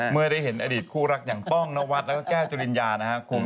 เมื่อได้เห็นอดีตคู่รักอย่างป้องนวัดแล้วก็แก้วจริญญานะครับ